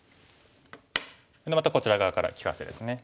またこちら側から利かしてですね。